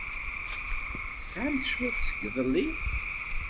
Testeɛamt cwiṭ seg iḍelli?